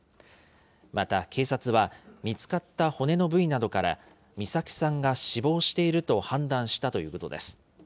また、警察は見つかった骨の部位などから美咲さんが死亡していると判断したということです。